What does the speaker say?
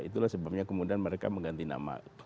itulah sebabnya kemudian mereka mengganti nama